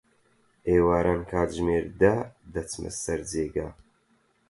ئێواران، کاتژمێر دە دەچمە سەر جێگا.